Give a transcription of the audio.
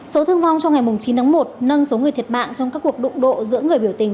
số thương vong trong ngày chín tháng một nâng số người thiệt mạng trong các cuộc đụng độ giữa người biểu tình